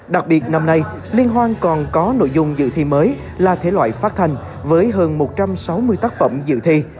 đặc biệt năm nay liên hoan còn có nội dung dự thi mới là thể loại phát thanh với hơn một trăm sáu mươi tác phẩm dự thi